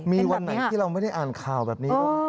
มีวันไหนที่เราไม่ได้อ่านข่าวแบบนี้